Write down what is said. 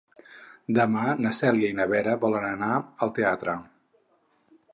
Demà na Cèlia i na Vera volen anar al teatre.